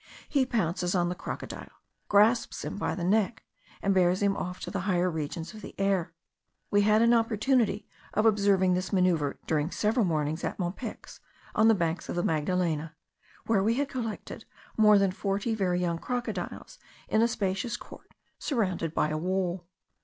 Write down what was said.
He pounces on the crocodile, grasps him by the neck, and bears him off to the higher regions of the air. We had an opportunity of observing this manoeuvre during several mornings, at Mompex, on the banks of the Magdalena, where we had collected more than forty very young crocodiles, in a spacious court surrounded by a wall.